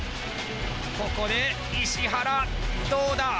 ここで石原どうだ？